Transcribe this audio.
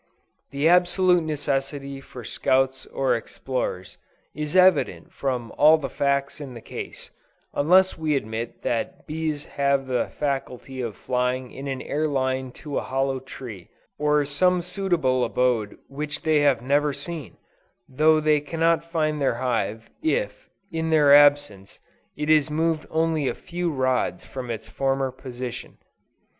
The absolute necessity for scouts or explorers, is evident from all the facts in the case, unless we admit that bees have the faculty of flying in an air line to a hollow tree, or some suitable abode which they have never seen, though they cannot find their hive, if, in their absence, it is moved only a few rods from its former position.